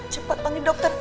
cepet panggil dokter